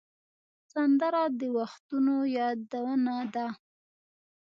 سندره د وختونو یادونه ده